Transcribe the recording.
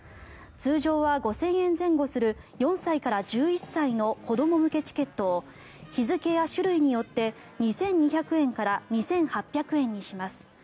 通常は５０００円前後する４歳から１１歳の子ども向けチケットを日付や種類によって２２００円から２８００円にします。